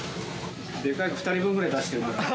でかい声、２人分ぐらい出してる。